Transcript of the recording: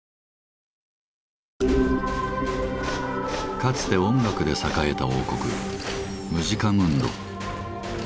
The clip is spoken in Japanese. かつて音楽で栄えた王国「ムジカムンド」。